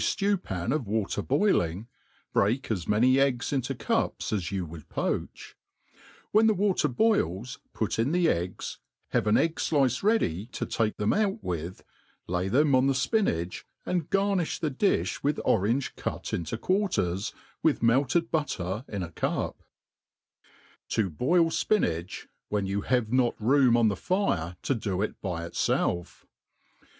ftew pan of water boiling, break as many eggs into cups as you^ would poach. When the water boils put in the eggs, have an egg flice ready to take them out with, lay them on the fpinach, and garniih the diib with orange cut iilto quarters, with raeIt > cd butter in a cup, 7i boil Spinach^ when you have not Room on the Fire to do it By it/elf.